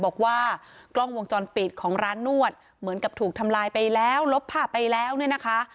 บอกว่ากล้องวงจรปิดของร้านนวดเหมือนกับถูกทำลายไปแล้วลบภาพไปแล้วเนี่ยนะคะ